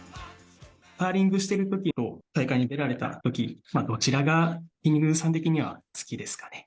カーリングしてるときと、大会に出られたとき、どちらがきんに君さん的には好きですかね？